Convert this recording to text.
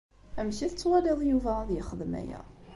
Amek i tettwaliḍ Yuba ad yexdem aya?